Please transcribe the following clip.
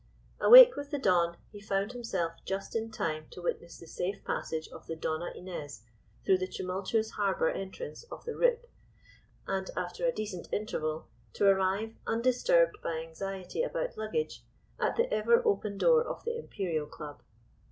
Awake with the dawn, he found himself just in time to witness the safe passage of the Donna Inez through the tumultuous harbour entrance of the "Rip," and after a decent interval, to arrive, undisturbed by anxiety about luggage, at the ever open door of the Imperial Club.